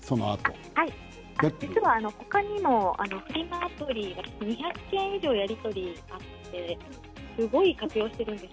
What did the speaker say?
実は他にもフリマアプリは２００件以上やり取りがあってすごい活用しているんです。